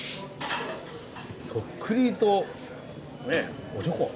とっくりとねおちょこ。